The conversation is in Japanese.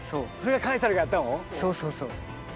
そうそうそう。